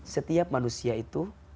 setiap manusia itu